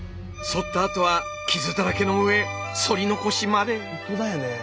そったあとは傷だらけの上そり残しまで。